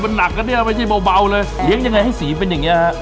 มันหนักนะเนี่ยไม่ใช่เบาเลยเลี้ยงยังไงให้สีเป็นอย่างนี้ฮะ